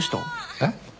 えっ？